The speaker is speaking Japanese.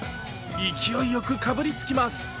勢いよくかぶりつきます。